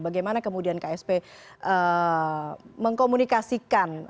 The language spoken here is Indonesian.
bagaimana kemudian ksp mengkomunikasikan